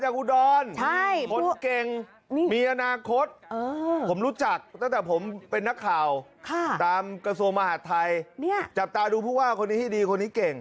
คุณตอบตาซูอาริษันแรงที่ดีคนที่เก่ง